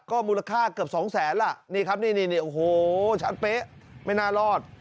ก็มูลค่าเกือบสองแสนล่ะนี่ครับนี่โอ้โหชัดเป๊ะไม่น่ารอด